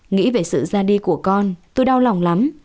nghĩ về sự ra đi của con tôi đau lòng lắm